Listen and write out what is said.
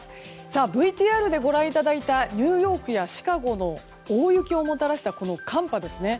ＶＴＲでご覧いただいたニューヨークやシカゴの大雪をもたらしたこの寒波ですね。